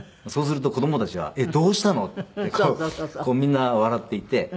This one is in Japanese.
そうすると子どもたちは「えっどうしたの？」ってみんな笑っていて。